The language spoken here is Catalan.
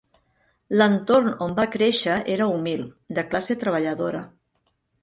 L'entorn on va créixer era humil, de classe treballadora.